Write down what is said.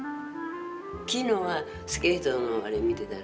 昨日はスケートのあれを見てたら。